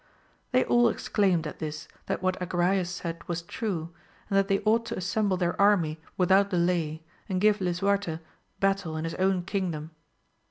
They all exclaimed at this that what Agrayes said was true, and that they ought to assemble their army without delay and give Lisuarte battle in his own kingdom.